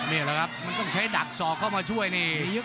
นี่แหละครับมันต้องใช้ดักสอกเข้ามาช่วยนี่